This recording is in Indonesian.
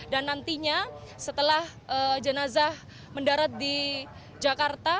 dan nantinya setelah jenazah mendarat di jakarta